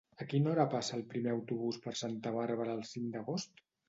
A quina hora passa el primer autobús per Santa Bàrbara el cinc d'agost?